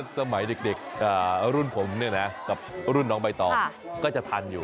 สมัยเด็กรุ่นผมเนี่ยนะกับรุ่นน้องใบตองก็จะทันอยู่